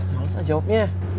males lah jawabnya